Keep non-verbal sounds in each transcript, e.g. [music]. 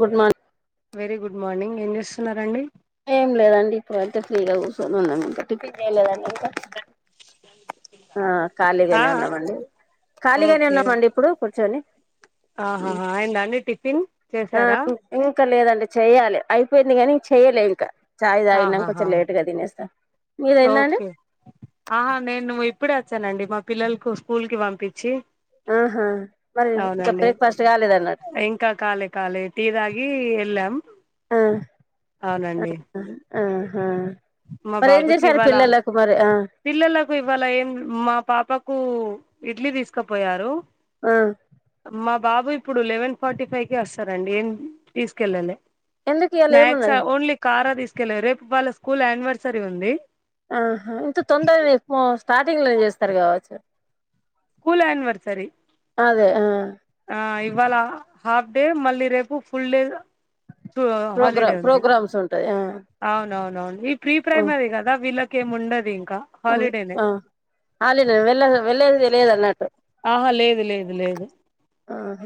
Good morn very good morning ఏం చేస్తున్నారండి ఏం లేదండి ఇప్పుడు అయితే ఫ్రీగా కూర్సొని ఉన్నం ఇంక టిఫిన్ చేయలేదండి ఇంక బ ఆ ఖాళీగనే ఉన్నామండి ఖాళీగనే ఓకే ఉన్నామండి ఇప్పుడు కూర్చొని ఆహాహా అయ్యిందా అండి టిఫిన్ చేసారా ఇంక లేదండి చెయ్యాలె అయిపోయింది గానీ చెయ్యలే ఇక చాయ్ తాగిన ఆహాహా కొంచెం లేట్గా తినేస్తా ఓకే ఆహా నేను ఇప్పుడే వచ్చానండి మా పిల్లల్కు స్కూల్కి పంపిచ్చి ఆహా మరి ఇంకా బ్రేక్ఫాస్ట్ కాలేదు అన్నటు ఇంకా కాలే కాలే టీ తాగి ఎళ్ళాం ఆ అవునండి ఆ ఆహా మా మరి ఏం బాబుకి చేసారు ఇవాళ పిల్లలకు మరి పిల్లలకు ఇవాళ ఏం మా పాపకు ఇడ్లీ తీసుకపోయారు ఆ మా బాబు ఇప్పుడు లెవెన్ ఫార్టీ ఫైవ్కే వస్తారండి ఏం తీసుకెళ్ళలే ఎందుకు ఇయాల స్నాక్స ఏమున్నది ఓన్లీ కారా తీసుకెళ్ళారు రేపు వాళ్ళ స్కూల్ యానివర్సరీ ఉంది ఆహా అయితే తొందర ఎక్కువ స్టార్టింగ్ల చేస్తారు కావచ్చు స్కూల్ యానివర్సరీ అదే ఆ ఆ ఇవాళ హాఫ్డే మళ్ళీ రేపు ఫుల్డేగా ప్రోగ్రా హాలిడే ఉంది ప్రోగ్రామ్స్ ఉంటాయి ఆ అవునవునవును ఈ ప్రీ ప్రైమరే కదా విలా కేం ఉండదు ఇంకా ఓయ్ హాలిడేనే ఆ అలే నేను వెళ్ళ వెళ్ళేది తెలియదు అన్నట్టు. ఆహా లేదు లేదు లేదు ఆహ.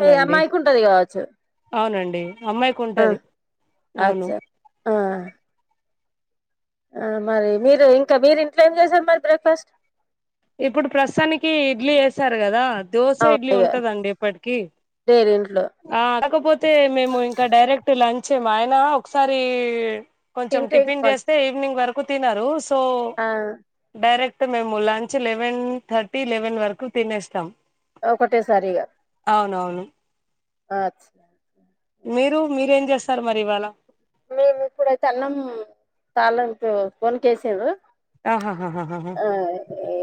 హే అమ్మాయికుంటది గావచ్చు అవునండి అమ్మాయికి ఆ. ఉంటది అచ్చ అవును ఆ. మరి మీరు ఇంకా మీరు ఇంట్లో ఏం చేసారు మరి బ్రేక్ఫాస్ట్. ఇప్పుడు ప్రస్తుతానికి ఇడ్లీ వేసారు కదా. దోశ ఇడ్లీ అవును ఇగ ఉంటదండి ఇప్పటికి. డైలీ ఇంట్లో ఆ అడకపోతే మేము ఇంక డైరెక్ట్ లంచ్ మా ఆయన ఒకసారి ఈ. కొంచెం తింటే టిఫిన్ ఇంక చేస్తే ఈవినింగ్ వరకు తిినరు సో ఆ డైరెక్ట్ మేము లంచ్. లెవెన్ థర్టీ లెవెన్ వరకు తినేస్తాం. ఒకటేసారిగా. అవునవును. ఆచ్. మీరు మీరేం చేస్తారు మరి ఇవాళ. మేము ఇప్పుడయితే అన్నం పార్లర్ కు ఫోన్ చేసడు. ఆహాహహహా. ఆ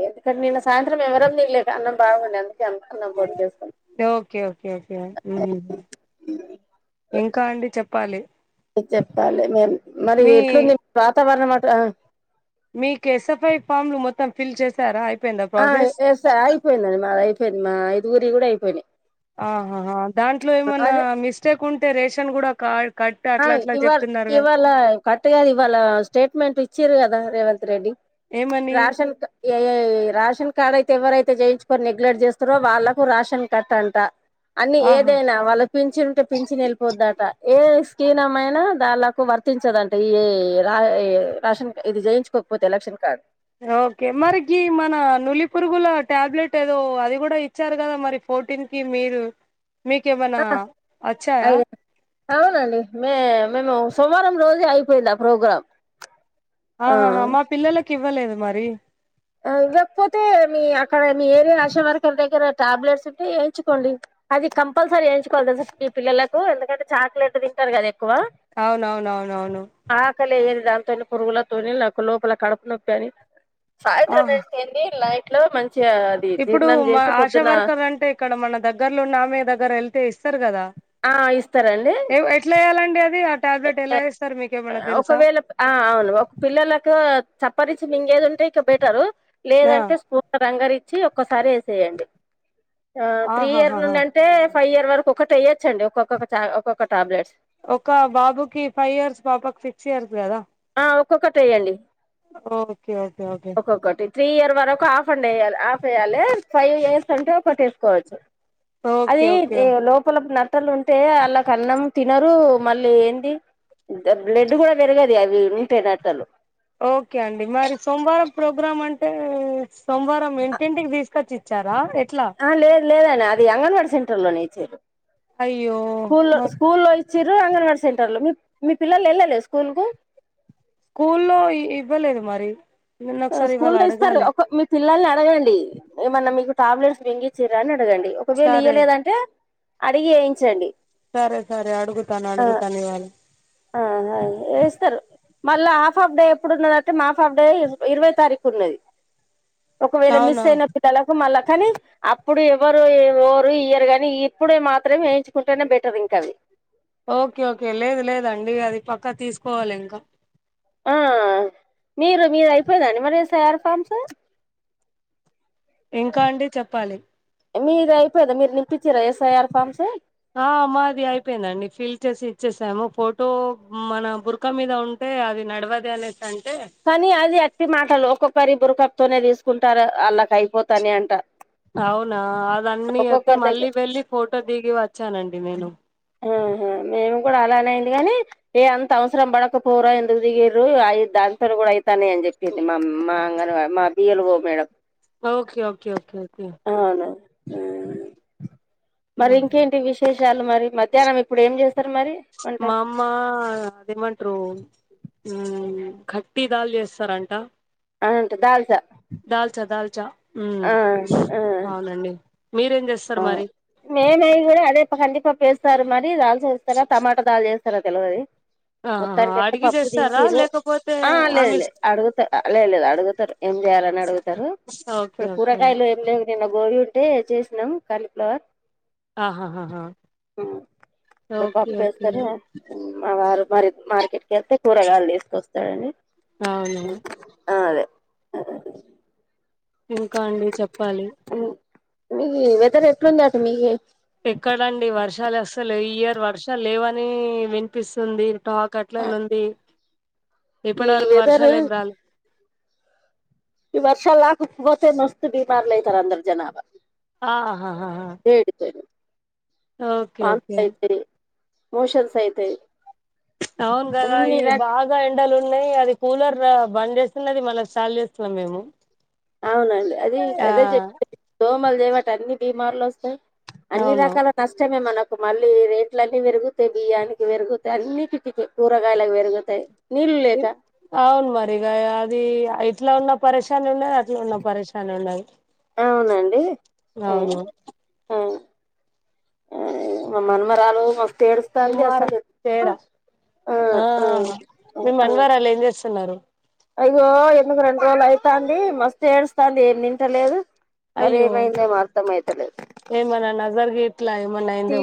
ఎందుకంట నిన్న సాయంత్రం ఎవరం తినలే అన్నం బాగున్నా. ఎంతన్నాం కొడికేస్తాం. ఓకే ఓకే ఓకే ఉహుహు. ఇంకా అండి చెప్పాలి. చెప్పాలి మేమ్ మరి మీ ఎట్లుంది వాతావరణం అట్లా. మీకు ఎస్ఎఫ్ఐ ఫామ్లు మొత్తం ఫిల్ చేసారా అయి. ఆ ఎస అయిపోయిందండి మా అయిపోయింది మా ఐదుగురి కూడా అయిపోయినాయి. ఆహాహా దాంట్లో ఏమైన్నా అదే మిస్టేక్ ఉంటే రేషన్ కూడా కార్. హ్ ఇవా ఇవ్వళై. అట్ట గాదు ఇవాళ స్టేట్మెంట్ ఇచ్చారు కదా రేవంత్ రెడ్డి ఏమని రాషన్ ఏ ఏ. రాషన్ కార్డ్ అయితే ఎవరైతే చేయించుకొని నెగ్లెక్ట్ చేస్తారో వాళ్ళలకు రాషన్ కట్ట అంట. అన్ని ఆహా ఏదైనా వాళ్ళ పించిన్ ఉంటే పించిన్ వెళ్ళి వెళ్ళిపోద్దట ఏస్. కీణమైన దాలకు వర్తించదంట ఈ రాషన్ ఇది జయించుకోకపోతే ఎలక్షన్ కార్డు. ఓకే మరికి గి మన నులి పురుగుల టాబ్లెట్ ఏదో అది కూడా ఇ. వచ్చారు కదా మరి ఫోర్టీన్ కి మీరు మీకేమైనా అచ్చాయా. ఐ అవునండి మే మేము సోమవారం రోజే అయిపోయింది ఆ ప్రోగ్రాం. ఆహా హా మా పిల్లలకు ఇవ్వలేదు మరి. ఇవ్వకపోతే మీ అక్కడ మీ ఏరియా అశ వర్కర్ దగ్గర టాబ్లెట్స్ ఉంటె వేయించుకోండి. అది కంపల్సరీ వేయించుకోవాలి తెలుసా ఈ పిల్లలకు ఎందుకంటే చాక్లెట్ తింటారు కదా ఎక్కువ. అవునవునవునవును. ఆకలియది దానింతోని పురుగులతోని నాకు లోపల కడుపు నొప్పి అని. సాయంత్రం ఆహా వేస్తేంది లైట్లో మంచిగా. అది ఇప్పుడు జీర్ణం మ చేసి ఆశా పొద్దున వర్కర్లు అంటే ఇక్కడ మన దగ్గర్లోన్న ఆమె దగ్గర వెళ్తే ఇస్తారు కదా. ఆ ఇస్తారాండి. ఎట్లయ్యాలండి అది ఆ ట్యాబ్లెట్ ఎలా వేస్తారు మీకేమన్నా తెలుసా. ఒకవేళ ఆ అవును ఒక పిల్లలకు చప్పరిచి మింగేది ఉంటే ఇంకా బెటరు ఆ లేదంటే స్పూన్. రంగరిచ్చి ఒక్కసారి వేసేయండి త్రీ ఇయర్ ఆహాహాహా నుండి అంటే. టె ఫైవ్ ఇయర్ వరకు ఒకటి ఎయొచ్చండి ఒక్కొక్క ఒక్కొక్క టాబ్లెట్స్. ఒక బాబుకిి ఫైవ్ ఇయర్స్ పాపకి సిక్స్ ఇయర్ కదా. ఆ ఒక్కొక్కటి యెయ్యండి ఓకే ఓకే ఓకే ఒక్కొక్కటి. త్రీ ఇయర్ వరకు హాఫ్ అండ్యాలి హాఫ్ వయ్యాలి ఫైవ్ ఇయర్స్ అంటే ఒకటిేసుకోవచ్చు అది ఓకే ఓకే ఏ లోపలపున టల్ ఉంటే అలాకన్నం తినరు మళ్ళీ ఏంది బ్లడ్ గూడా పెరగది అవి ఉంటే నాటలు ఓకే అండి మరి సోమవారం ప్రోగ్రాం అంటే సోమవారం ఇంటింటికి తీసకచ్చి చ్చారా ఎట్లా ఆ లేదు లేదన్న అది అంగన్వాడీ సెంటర్ లోనే ఇచ్చారు అయ్యో స్కూల్లో మాకు స్కూల్లో ఇచ్చిరు అంగన్వాడీ సెంటర్ లో మీ మీ పిల్లలు ఏళ్ళలేి స్కూల్ కు కుల్లో ఇఇ ఇవ్వలేదు మరి నిన్న హా ఒకసారి ఇవాళ స్కూల్ లో ఇస్తారు అడగాలి ఒక మి పిల్లల్ని అడగండి ఏమన్నా మీకు టాబ్లెట్స్ మింగిచిరా అని అడగండి ఒకవేళ సరే ఇయ్వలేదంటే అడిగి వేయించండి ఆ ధన్యలు ఆ హ ఏస్తారు మళ్ళ హాఫ్ ఆఫ్ డే ఎప్పుడు ఉన్న అంటే మాఫ్ ఆఫ్ డే ఇవై తారీకు ఉన్నది ఒకవేళ మిస్ అవునా అయిన పిల్లలకు మళ్ళా కాని అప్పుడు ఎవ్వరు ఎ వోరు ఇయ్యరు గాని ఇప్పుడే మాత్రమే వేయించుకుంటేనే బెటర్ ఇంకా అవి ఓకే ఓకే లేదు లేదండి అది పక్కా తీసుకోవాలి ఇంకా ఆ మీరు మీది అయిపోయిదండి మరి ఎస్ ఐ ఆర్ ఫామ్స్ ఇంకా అండి చెప్పాలి మీది అయిపోయిందా మీరు నింపించిరా ఎస్ఐఆర్ ఫామ్స్ ఆ మాది అయిపోయిందండి ఫిల్ చేసి ఇచ్చేసాము ఫోటో మన బుర్ రక్క మీద ఉంటే అది నడ్వది అనేసి అంటే కానీ అది అట్టి మాటలు ఒక్కొక్కరి బురకప్తోనే తీసుకుంటారు అళ్లాకి అయిపోతానయంట అవునా అదన్ని అతే మళ్ళీ దగ్గర వెళ్ళి ఫోటో దిగి వచ్చానండి నేను ఆహా మేము కూడా అలానేయింది గాని ఏ అంత అవసరం బాడకపోవురా ఎందుకు దిగిరు అయి దాంతో గూడా అయితన్నయి అన్ చెప్ప మా మా అంగన్వా మా బీ ల్ ఒ madam okay okay okay okay అవును మరి ఆహా. ఇంకేంటి విశేషాలు మరి మ మధ్యానం ఇప్పుడు ఏం చేస్తారు మరి వంట మా అమ్మ అదేమంట్రూ ఉమ్ కట్టి దాల్ చేస్తారంట అవునంటా దాల్సా దాల్చా దాల్చా ఉమ్ ఆ అవునండి మీరేం చేస్తారు మరి నేనై గూడా అదే ప్ కంది పేస్తారు [unintelligible] మరి టమాట పప్పు దాల్ చేస్తారా తెలవది ఆహా మొత్తానికైతే అడిగి పప్పు చేస్తారా తీసిరు లేకపోతే ఆ లేదు ఆమె లేదు అడుగుత ఆ లే లేదు అడుగుతారు ఏం చేయాలని అడుగుతారు ఓకే ఇప్పుడు ఓకే కూరగాయలు ఏం లేవు నిన్న గోబీ ఉంటే చేసినాం కాలీఫ్లవర్ ఆహాహాహా ఇప్పుడు ఓకే పప్పు ఓకే వేస్తారు మా వారు మరి మార్కెట్కికేళ్తే కూరగాయలు తీసుకొస్తాడని అవును ఆ అదే [inaudible] ఇంకా అండి చెప్పాలి ఉ మీ వెదర్ ఎట్లుంది అటు మీ ఎక్కడండి వర్షాలు అసలు ఈ ఇయర్ వర్షాలు లేవని వినిపిస్తుంది టాక్ కట్ల నుండి ఇప్పడ ఈ వరకు వెదర్ వర్షాలు ఏం రాలే ఈ వర్షాల కుక్కుపోతే మస్తు బీమాలైతరు అందరరూ జనాభా ఆహాహా ఎ ఇద్దరూ ఓకే వాంతులు ఓకే అయితాయి మోషన్స్ అయితాయి అవున్ గద అన్ని ఈ రక భాగ్ ఇంకా ఎండలు ఉన్నాయి అది కూలర్ రా బంద్ చేస్తున్నది మల్ల సాల్ ట్లేము మేము అవునండి అది ఆ అదే చెప్పే దోమలు జేబాట్టే అన్ని బీమార్లు వస్తాయి అన్ని అవును రకాల నష్టమే మనకు మళ్ళీ రేట్లు అన్నీ పెరుగుతాయి బియ్యానికి పెరుగుతాయి అన్నిటికీ పె కూరగాయలకు పెరుగుతాయి నీళ్లు లేక అవును మరి ఇగ అది ఇట్లా ఉన్న పరిశానే ఉన్న అట్లా ఉన్న పరశానే ఉన్నది అవునండి ఉ అవును ఆ మా మనమరాలు మస్తు ఏడు సంది కుమార అస్సల్ జెకు చేరా ఆ ఆ ఆ వాళ్ళు ఏం చేస్తున్నారు ఐగో ఎందుకు రెండు రోజులు అయితాంది మస్త ఏడుస్తాంది ఏం తింటలేదు మరి అయ్యో ఏమైందో ఏమో అర్థం అయితలేదు ఏమన్నా నజర్ గి క్లైమేండ్ తీ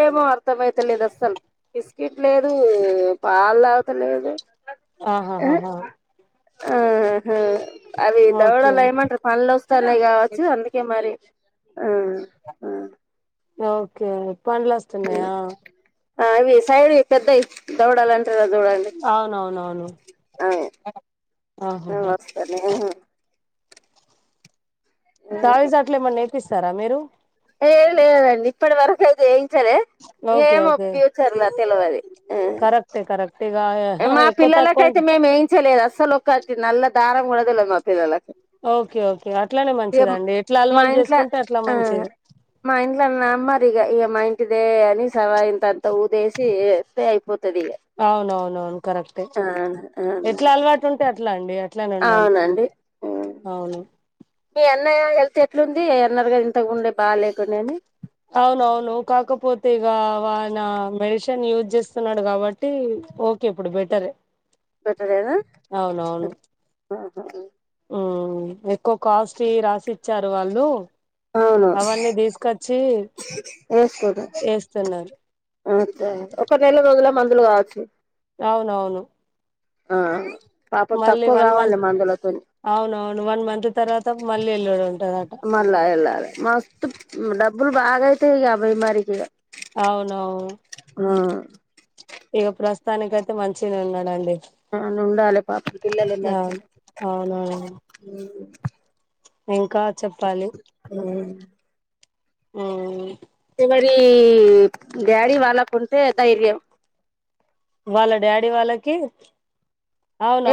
ఏమార్ అర్థం అయితలేదు అస్సల్ విస్కెట్ లేదు పాల తాగుత లేదు ఆహాహాహా ఆహా అవి ఓకే దవడలు ఏమంటారు పండ్లులు వస్తున్నాయి కావచ్చు అందు కే మరి ఆ ఓకే పండ్లు వస్తున్నాయా ఆ అవి సైడ్ వి పెద్దవి దౌడల పిల్లచూడండి అవునవునవును ఆమె ఆహాహా వస్తది ఇదిగో తావిజ్ అట్లే ఏమన్నా ఎపిస్తారా మీరు ఏ లేదండి ఇప్పటి వరకు అయితే ఎయించలే ఓకే ఏమ్మో ఓకే ప్యూచర్ల తెలవాది కరెక్టే కరెక్టే ఇగా మా పిల్లలకు అయితే మేము ఏయించలేదు అస్సలు ఒకటి నల్ల దారం కుడా తెలవదు మా పిల్లల ఓకే ఓకే అట్లనే మంచిదండి ఎట్లా మా అలవాలు ఇంట్ల చేసుకుంటే అట్లా ఆ మంచిది మా ఇంట్ల మమ్మదిగా ఇగ మా ఇంటిదే అని సవా ఇంత అంత ఊదేశి ఏస్తే అయి కొత్తదిగా అవునవునవును కరెక్టే ఎట్లా అవునండి అలవాటు ఉంటే అట్లా అండి అట్లనే ఉండాలి అవునండి అవును మీ అన్నయ్య హెల్త్ ఎట్లుంది అన్నారుగా ఇంతకుముందే బాలేకుండే అని అవునవును కాకపోతే ఇక వానా రేషన్ యూజ్ చేస్తున్నాడు కాబ ట్టి ఓకే ఇప్పుడు బెటర్ బెటరేనా అవునవును ఆహ హి ఉ ఎక్కువ కాస్ట్లీ రాసిచ్చారు వాళ్లు అవును అవన్నీ తీసుకొచ్చి ఏస్తున్నారు ఆగుతాయని ఒక నెల రోజుల మందులు కావచ్చు అవునవును ఆ పాపం మళ్ళీ తక్కువ వన్ కావాలి మంత్ మందులతోని అవున అవును వన్ మంత్ తర్వాత మళ్ళీ వెళడు అంటాడట [unintelligible] ఇలాలా మస్తు డబ్బులు బాగా అయితే ఇ అభైమారికి ఇ అవునవు ఆ ఇగ ప్రస్తుతానిక అయితే మంచినే ఉన్నాడండి అవును ఉండాలి పాప పిల్లలు మరి అవును అవునవును [unintelligible] ఇంకా చెప్పాలి ఉం ఉం తే మరి డాడీ వాళ్ళకు ఉంటే ధైర్యం వాళ్ళ డాడీ వాళ్ళకి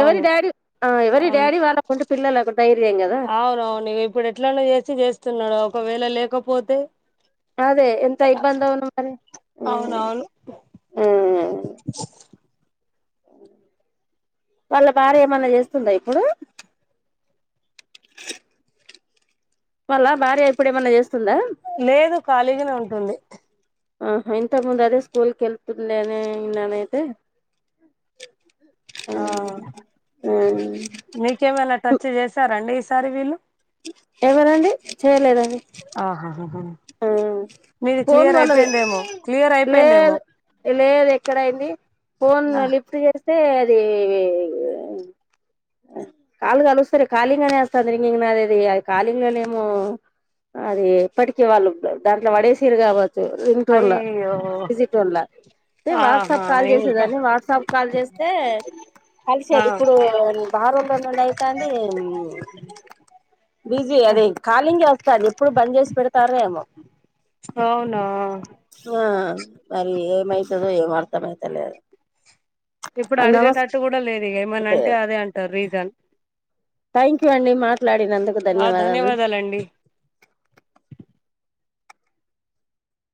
ఎవరి డాడీ ఆ ఎవరి అవును డాడీ వాళ్ళకుంటే పిల్లలకి దైర్యం కదా అవునవును ఇప్పుడు ఎట్లానే చేసి చేస్తున్నాడు ఒకవేళ లేకపోతే అదే ఎంత ఇబ్బందవను మరి ఉం అవునవును ఉం వాళ్ళ బార్య ఏమన్నా చేస్తుందా ఇప్పుడు వాళ్ళ భార్య ఇప్పుడు ఏమన్నా చేస్తుందా లేదు ఖాళీగానే ఉంటుంది ఆహా ఇంత ముంద అదే స్కూల్ కెల్తుందనే ననైతే ఆ ఆ మీకేమైనా టచ్ చేశారండి ఈసారి వీళ్ళు ఎవరండి చేయలేదండి ఆహాహ ఆ మీది ఫోన్ క్లియర్ వాళ్ళది అయిపోయిందేమో క్లియర్ అయిపోయిందేమో లేదు లేదు ఎక్కడయింది ఫోన్ ఆ లిఫ్ట్ చేస్తే అది కాలు కలుస్తలే కాలింగ్ అనే వస్తాంది ఇంక ఇం అదిది అది కాలింగ్ లోనేమో అది ఇప్పటికే వాళ్ళు దాంట్లో పడేసర కావచ్చు రింగ్టోన్లా అయ్యో [unintelligible] విజిట్ల ఆహా వాట్సాప్ కాల్ ఇంకా చేసేదాన్ని వాట్సాప్ కాల్ చేస్తే ఆ కలిసేది ఇప్పుడు బారోడ్లో [unintelligible] నుండి అయిత అండి బిజీ అదే కాలింగ్ వస్తాది ఎప్పుడు బంద్ చేసి పెడతారేమో అవునా ఆ మరి ఏమైతదో ఏమో అర్థంమయితలేదు ఇప్పుడు అడిగేటట్టు కూడా లేదు ఇగా ఏమన్నా అంటే అదే అంటారు రీజన్ థ్యాంక్ యూ అండి మాట్లాడినందుకు ఆ ధన్యవాదములు ధన్యవాదాలండి